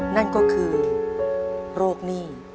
นั่นก็คือโรคหนี้